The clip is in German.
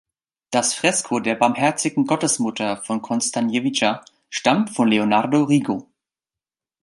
Das Fresko der barmherzigen Gottesmutter von Kostanjevica stammt von Leonardo Rigo.